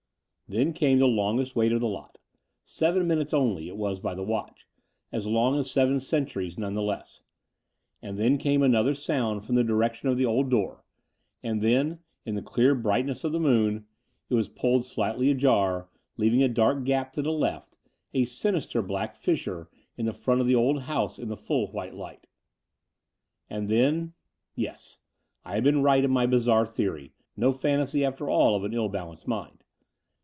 XIV Then came the longest wait of the lot — seven minutes only, it was by the watch, as long as seven centuries none the less — and then came another soimd from the direction of the old door : and then, in the clear brightness of the moon, it was pulled 19 290 The Door of the Unreal slightly ajar, leaving a dark gap to the left, a sinister black fissure in the front of the old house in the full white light. And then ... yes, I had been right in my bizarre theory, no fantasy, after all, of an ill balanced mind